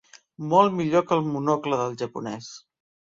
Molt millor que el monocle del japonès.